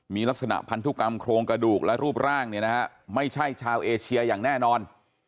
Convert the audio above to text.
มีลักษณะพันธุกรรมโครงกระดูกและรูปร่างเนี่ยนะฮะไม่ใช่ชาวเอเชียอย่างแน่นอน